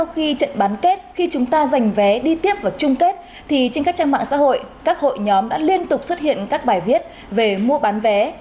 khi trận bán kết khi chúng ta dành vé đi tiếp vào trung kết thì trên các trang mạng xã hội các hội nhóm đã liên tục xuất hiện các bài viết về mua bán vé